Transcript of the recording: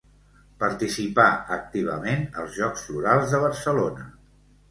Participà activament als Jocs Florals de Barcelona.